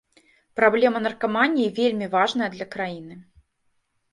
Праблема наркаманіі вельмі важная для краіны.